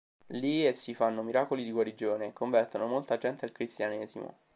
Lì essi fanno miracoli di guarigione e convertono molta gente al cristianesimo.